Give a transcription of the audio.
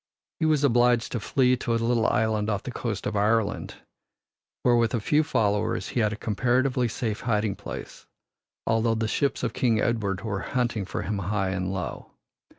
He was obliged to flee to a little island off the coast of Ireland, where with a few followers he had a comparatively safe hiding place, although the ships of King Edward were hunting for him high and low.